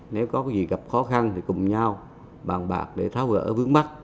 nếu có gì gặp khó khăn thì cùng nhau bàn bạc để tháo vỡ vướng mắt